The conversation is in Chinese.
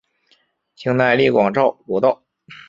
清代隶广肇罗道。